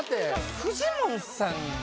フジモンさんが。